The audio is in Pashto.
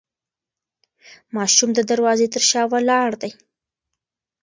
ماشوم د دروازې تر شا ولاړ دی.